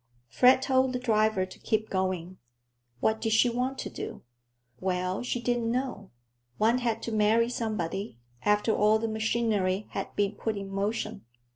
Fred told the driver to keep going. What did she want to do? Well, she didn't know. One had to marry somebody, after all the machinery had been put in motion.